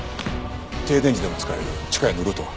停電時でも使える地下へのルートは？